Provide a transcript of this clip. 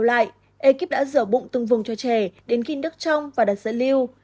sau ba tuần điều trị ekip đã rửa bụng từng vùng cho trẻ đến kinh đức trong và đặt dẫn lưu